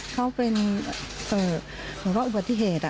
เขาเป็นเจอหรือว่าอุบัติเหตุ